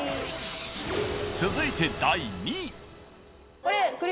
続いて第２位。